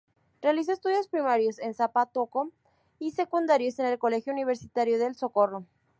Realizó estudios primarios en Zapatoca y secundarios en el Colegio Universitario del Socorro.